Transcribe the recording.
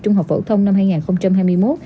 trung học phổ thông năm hai nghìn hai mươi một